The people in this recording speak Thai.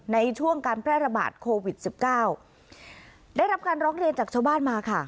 ในช่วงการแพร่ระบาดโควิดสิบเก้าได้รับการร้องเรียนจากชาวบ้านมาค่ะ